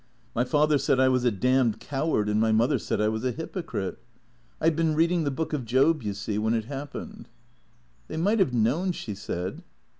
" My father said I was a damned coward, and my mother said I was a hypocrite. I 'd been reading the Book of Job, you see, when it happened." " They might have known," she said.